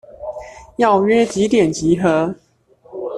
要約幾點集合？